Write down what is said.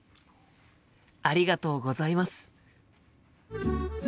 ありがとうございます。